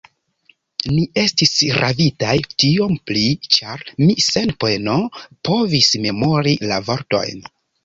Ni estis ravitaj, tiom pli, ĉar mi sen peno povis memori la vortojn.